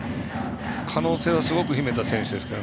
可能性をすごく秘めた選手ですから。